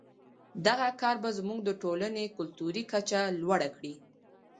دغه کار به زموږ د ټولنې کلتوري کچه لوړه کړي.